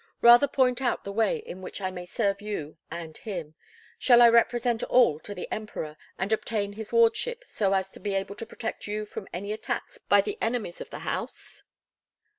Rather point out the way in which I may serve you and him. Shall I represent all to the Emperor, and obtain his wardship, so as to be able to protect you from any attacks by the enemies of the house?"